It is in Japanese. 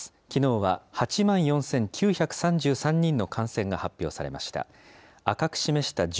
きのうは８万４９３３人の感染が発表されました。